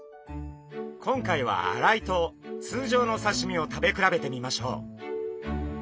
今回は洗いと通常の刺身を食べ比べてみましょう。